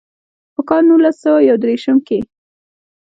پۀ کال نولس سوه يو ديرشم کښې